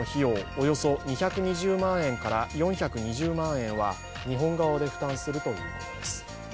およそ２２０万円から４２０万円は日本側で負担するということです。